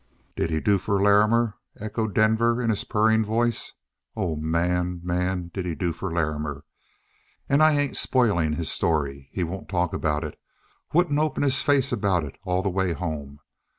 "Did he do for Larrimer?" echoed Denver in his purring voice. "Oh, man, man! Did he do for Larrimer? And I ain't spoiling his story. He won't talk about it. Wouldn't open his face about it all the way home.